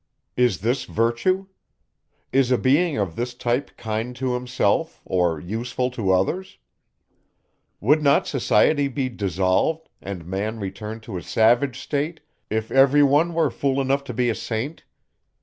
Is this virtue? Is a being of this type, kind to himself, or useful to others? Would not society be dissolved, and man return to a savage state, if every one were fool enough to be a Saint?